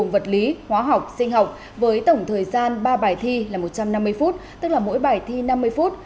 vật lý hóa học sinh học với tổng thời gian ba bài thi là một trăm năm mươi phút tức là mỗi bài thi năm mươi phút